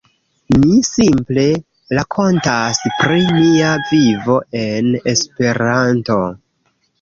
Mi simple rakontas pri mia vivo en Esperanto.